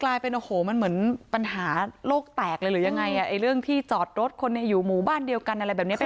ใช่เป็นแบบมันเหมือนปัญหารกแตกหรือยังไงเอาไงเรื่องที่จอดรถคนเนี่ยอยู่หมู่บ้านเดียวกันอะไรแบบนี้